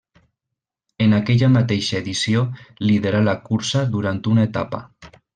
En aquella mateixa edició liderà la cursa durant una etapa.